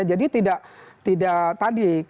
jadi tidak tadi